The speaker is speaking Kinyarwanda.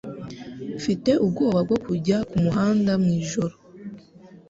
Mfite ubwoba bwo kujya kumuhanda mw’ijoro.